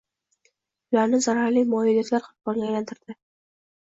ularni zararli moyilliklar qurboniga aylantirdi.